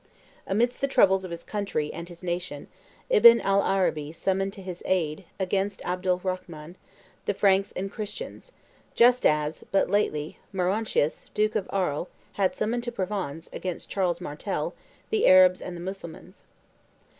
Amidst the troubles of his country and his nation, Ibn al Arabi summoned to his aid, against Abdel Rhaman, the Franks and the Christians, just as, but lately, Maurontius, duke of Arles, had summoned to Provence, against Charles Martel, the Arabs and the Mussulmans.